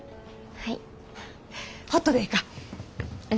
はい。